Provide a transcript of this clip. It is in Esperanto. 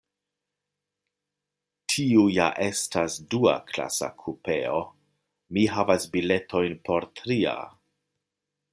Tiu ja estas duaklasa kupeo; mi havas biletojn por tria.